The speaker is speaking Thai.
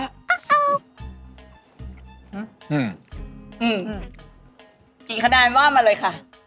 กินขนาดมากเลยค่ะ